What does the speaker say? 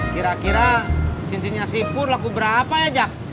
kira kira cincinnya sipur laku berapa ya jak